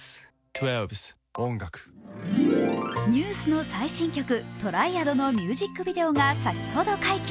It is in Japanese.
ＮＥＷＳの最新曲「ＴＲＩＡＤ」のミュージックビデオが先ほど解禁。